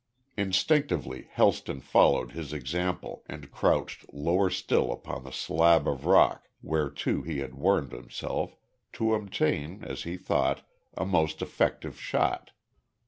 Instinctively Helston followed his example, and crouched lower still upon the slab of rock whereto he had wormed himself, to obtain, as he thought, a most effective shot.